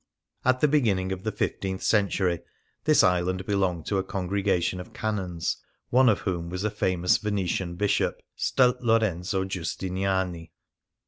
At the beginning of the fifteenth century this island belonged to a congregation of Canons, one of whom was a famous Venetian bishop, 98 The Lagoon St. Lorenzo Giustiniani.